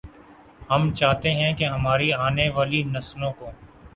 ہم چاہتے ہیں کہ ہماری آنے والی نسلوں کو